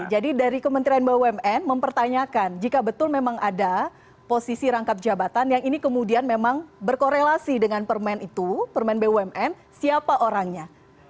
jadi dari kementerian bumn mempertanyakan jika betul memang ada posisi rangkap jabatan yang ini kemudian memang berkorelasi dengan permen itu permen bumn siapa orangnya